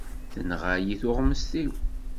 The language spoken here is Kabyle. Tenɣa-yi tuɣmest-iw.